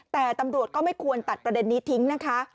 แต่ตำรวจก็ไม่ควรตัดประเด็นนี้ทิ้งนะคะ